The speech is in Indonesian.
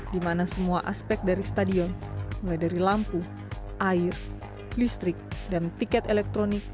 di mana semua aspek dari stadion mulai dari lampu air listrik dan tiket elektronik